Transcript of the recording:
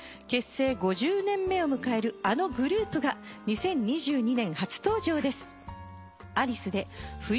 結成５０年目を迎えるあのグループが２０２２年初登場です。